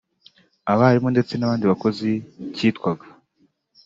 abarimu ndetse n’abandi bakozi cyitwaga